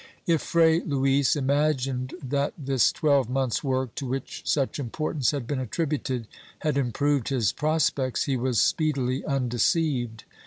^ If Fray Luis imagined that this twelve months' work to which such importance had been attributed, had improved his prospects, he was speedily undeceived.